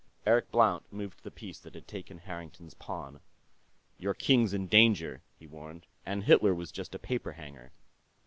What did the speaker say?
Eric Blount moved the piece that had taken Harrington's pawn. "Your king's in danger," he warned. "And Hitler was just a paper hanger."